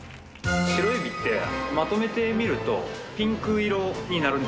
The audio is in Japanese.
白えびってまとめて見るとピンク色になるんですよ。